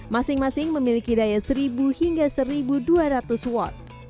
masing masing memiliki daya seribu hingga seribu dua ratus watt